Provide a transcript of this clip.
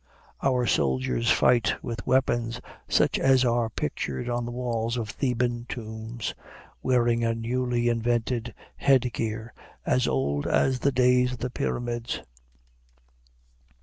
Our soldiers fight with weapons, such as are pictured on the walls of Theban tombs, wearing a newly invented head gear as old as the days of the Pyramids.